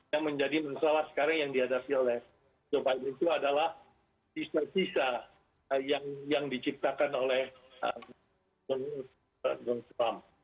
yang menjadi masalah sekarang yang dihadapi oleh joe biden ya